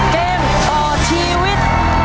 เกมต่อชีวิต